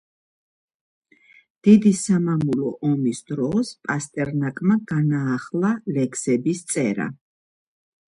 დიდი სამამულო ომის დროს პასტერნაკმა განაახლა ლექსების წერა.